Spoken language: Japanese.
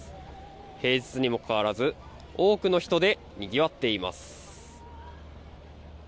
平日にもかかわらず多くの人でにぎわっています。